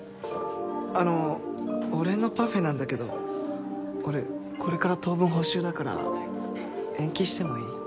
あのお礼のパフェなんだけど俺これから当分補習だから延期してもいい？